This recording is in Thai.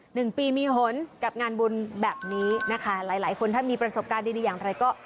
หนึ่งปีมีหนกับงานบุญแบบนี้นะคะหลายหลายคนถ้ามีประสบการณ์ดีดีอย่างไรก็